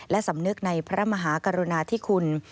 และสำนึกในพระมหากรุณาธิคุณ